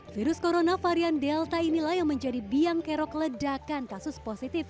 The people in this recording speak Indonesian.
virus corona varian delta inilah yang menjadi biang kerok ledakan kasus positif